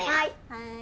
はい。